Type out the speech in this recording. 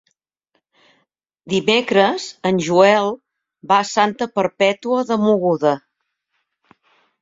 Dimecres en Joel va a Santa Perpètua de Mogoda.